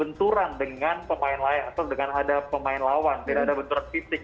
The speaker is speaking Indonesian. benturan dengan pemain layak atau dengan ada pemain lawan tidak ada benturan fisik